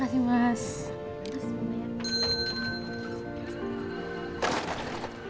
mas mau naik